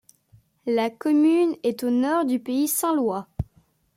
La commune est au nord du pays saint-lois.